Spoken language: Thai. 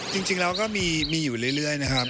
จริงแล้วก็มีอยู่เรื่อยนะครับ